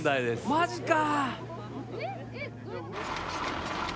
マジか。